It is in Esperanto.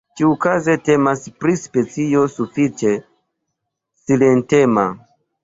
Ĉiukaze temas pri specio sufiĉe silentema.